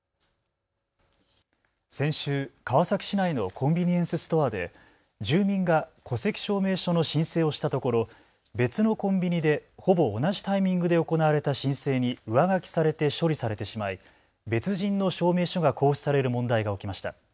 先週、川崎市内のコンビニエンスストアで住民が戸籍証明書の申請をしたところ別のコンビニでほぼ同じタイミングで行われた申請に上書きされて処理されてしまい別人の証明書が交付される問題が起きました。